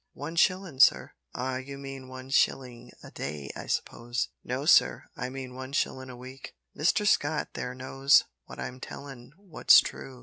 "One shillin', sir." "Ah, you mean one shilling a day, I suppose." "No, sir, I mean one shillin' a week. Mr Scott there knows that I'm tellin' what's true."